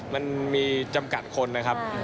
มันมีจำกัดคนนะครับ